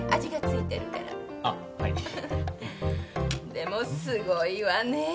でもすごいわねえ。